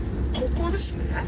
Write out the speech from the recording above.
ここですね。